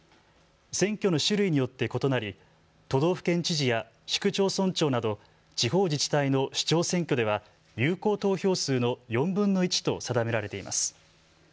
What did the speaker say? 選挙の種類によって異なり、都道府県知事や市区町村長など地方自治体の首長選挙では有効投票数の４分の１と定められています。